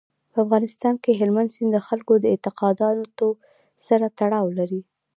په افغانستان کې هلمند سیند د خلکو د اعتقاداتو سره تړاو لري.